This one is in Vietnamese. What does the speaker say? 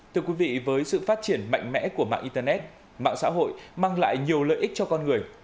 thưa quý vị với sự phát triển mạnh mẽ của mạng internet mạng xã hội mang lại nhiều lợi ích cho con người